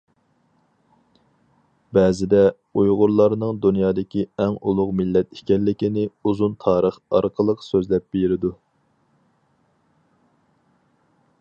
بەزىدە ئۇيغۇرلارنىڭ دۇنيادىكى ئەڭ ئۇلۇغ مىللەت ئىكەنلىكىنى ئۇزۇن تارىخ ئارقىلىق سۆزلەپ بېرىدۇ.